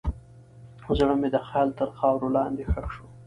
زړه مې د خیال تر خاورو لاندې ښخ شو.